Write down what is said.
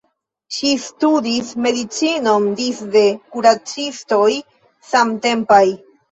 Ŝi studis medicinon disde kuracistoj samtempaj.